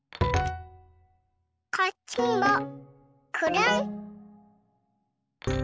こっちもくるん。